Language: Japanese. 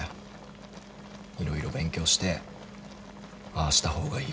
色々勉強してああした方がいい